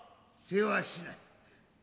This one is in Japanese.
せわしない。